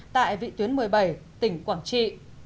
tại vị tuyến một mươi bảy tỉnh quảng trị